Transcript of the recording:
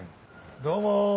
どうも。